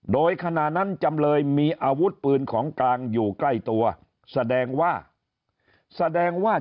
โดยขณะนั้นจำเลยมีอาวุธปืนของกลางอยู่ใกล้ตัวแสดงว่าแสดงว่า